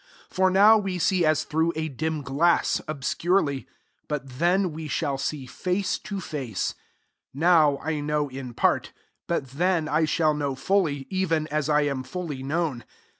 \\ [For J now we see as through a dim glassf*^ obscurely; but lb® noe shall see face to face : now I know in part ; but then I shall know fully, even as I am fulhr known.